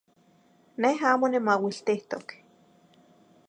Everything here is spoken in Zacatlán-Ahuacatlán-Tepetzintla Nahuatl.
Neh amo nimauiltihtok.